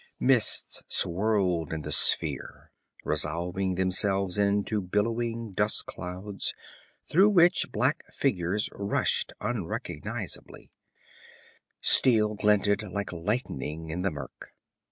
Mists swirled in the sphere, resolving themselves into billowing dust clouds through which black figures rushed unrecognizably; steel glinted like lightning in the murk.